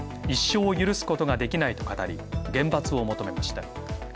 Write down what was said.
一生許すことができない」と語り、厳罰を求めました。